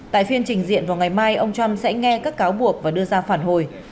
tại phiên trình diện vào ngày mai ông trump sẽ nghe các cáo buộc và đưa ra phản hồi